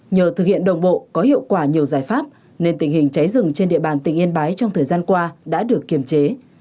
nhờ thực hiện đồng bộ có hiệu quả nhiều giải pháp nên tình hình cháy rừng trên địa bàn tỉnh yên bái trong thời gian qua đã được kiềm chế